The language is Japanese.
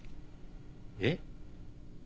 えっ？